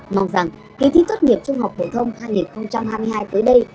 mong rằng kỳ thi tốt nghiệp trung học phổ thông hai nghìn hai mươi hai tới đây